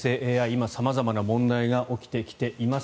今、様々な問題が起きてきています。